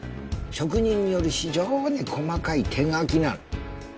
職人による非常に細かい手描きなの。